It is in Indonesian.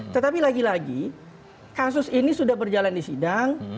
tetapi lagi lagi kasus ini sudah berjalan di sidang